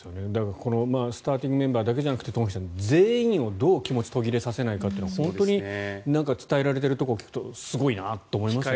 スターティングメンバーだけじゃなくてトンフィさん、全員をどう気持ちを途切れさせないかって本当に伝えられているところを聞くとすごいなと思いますね。